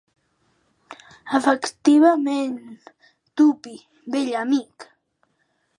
Efectivament, Tuppy, vell amic.